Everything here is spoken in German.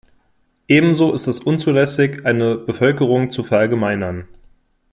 Ebenso ist es unzulässig, eine Bevölkerung zu verallgemeinern.